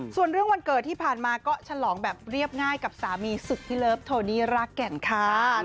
ส่วนเรื่องวันเกิดที่ผ่านมาก็ฉลองแบบเรียบง่ายกับสามีสุดที่เลิฟโทนี่รากแก่นค่ะ